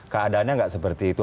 keadaannya nggak seperti itu